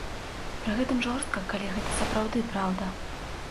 Пры гэтым жорстка, калі гэта сапраўды праўда.